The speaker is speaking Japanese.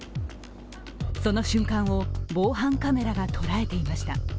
その瞬間を防犯カメラが捉えていました。